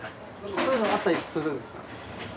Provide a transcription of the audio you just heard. そういうのあったりするんですか？